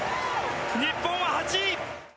日本は８位！